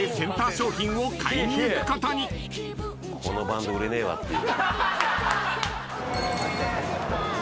このバンド売れねえわっていう。